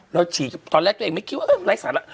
เราฉีกตอนแรกตัวเองไม่คิดว่าเออไร้สารล่ะ